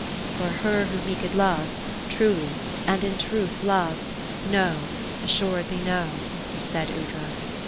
" For her whom he could love, — truly, and in truth, love, — no, as suredly no ;" said Aoudra.